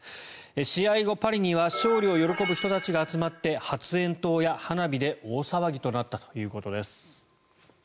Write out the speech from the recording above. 試合後、パリには勝利を喜ぶ人たちが集まって発煙筒や花火で大騒ぎとなったということです。